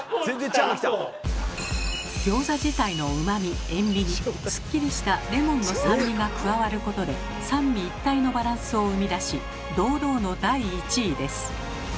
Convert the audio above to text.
ギョーザ自体のうまみ塩味にすっきりしたレモンの酸味が加わることで三位一体のバランスを生み出し堂々の第１位です。